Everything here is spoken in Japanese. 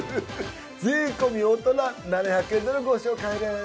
税込み大人７００円でのご紹介です。